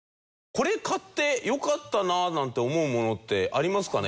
これ買ってよかったななんて思うものってありますかね？